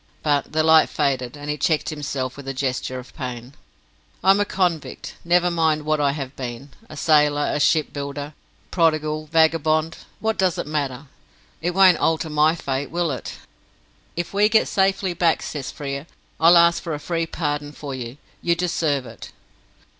But the light faded, and he checked himself with a gesture of pain. "I am a convict. Never mind what I have been. A sailor, a shipbuilder, prodigal, vagabond what does it matter? It won't alter my fate, will it?" "If we get safely back," says Frere, "I'll ask for a free pardon for you. You deserve it."